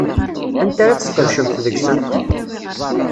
Anta ara tesqedcemt deg-sent?